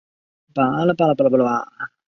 该剧主要以米安定逃过一劫。